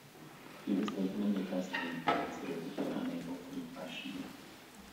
He was taken into custody, but considered to be unable to be questioned.